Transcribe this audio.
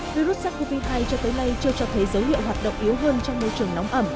virus sars cov hai cho tới nay chưa cho thấy dấu hiệu hoạt động yếu hơn trong môi trường nóng ẩm